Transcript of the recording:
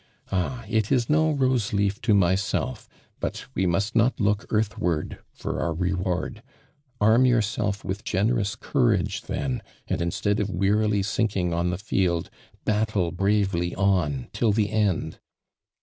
Ah I it is no rose leaf to myself, but we must not look earthward for our reward I Arm yourself with generous coiu age then, and instead of weakly sinking on the field, battle bravely on till the end."